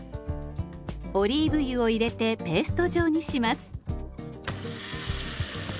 オリーブ油を入れてペースト状にします。